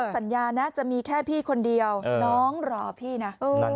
สัญญานะจะมีแค่พี่คนเดียวน้องรอพี่นะ